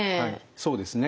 そうですね。